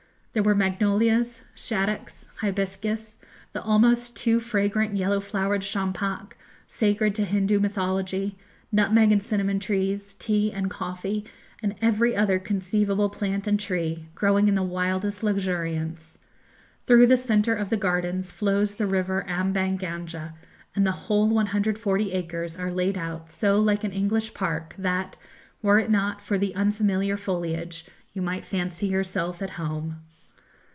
There were magnolias, shaddocks, hibiscus, the almost too fragrant yellow flowered champac, sacred to Hindoo mythology; nutmeg and cinnamon trees, tea and coffee, and every other conceivable plant and tree, growing in the wildest luxuriance. Through the centre of the gardens flows the river Ambang Ganga, and the whole 140 acres are laid out so like an English park that, were it not for the unfamiliar foliage, you might fancy yourself at home.